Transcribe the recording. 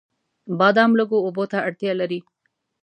بادام لږو اوبو ته اړتیا لري.